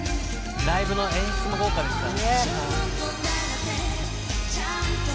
ライブの演出も豪華ですから。